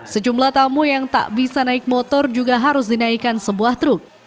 sejumlah tamu yang tak bisa naik motor juga harus dinaikkan sebuah truk